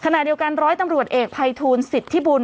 ขณะเดียวกันร้อยตำรวจเอกภัยทูลสิทธิบุญ